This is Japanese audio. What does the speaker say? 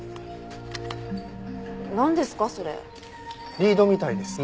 リードみたいですね。